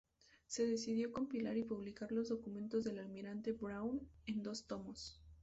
Se decidió compilar y publicar los Documentos del Almirante Brown, en dos tomos.